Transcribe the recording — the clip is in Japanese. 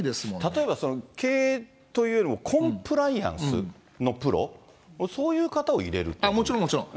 例えばその、経営というよりも、コンプライアンスのプロ、そもちろんもちろん。